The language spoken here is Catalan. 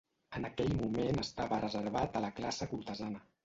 En aquell moment estava reservat a la classe cortesana.